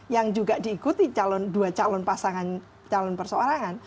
yang juga diikuti dua calon pasangan calon perseorangan